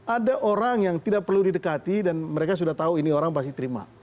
ada orang yang tidak perlu didekati dan mereka sudah tahu ini orang pasti terima